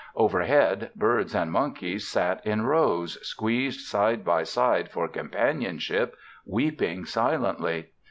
Overhead birds and monkeys sat in rows, squeezed side by side for companionship, weeping silently.